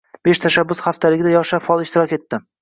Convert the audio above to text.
“Besh tashabbus haftaligi”da yoshlar faol ishtirok etdi